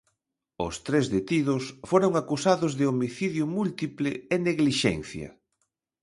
Os tres detidos foron acusados de homicidio múltiple e neglixencia.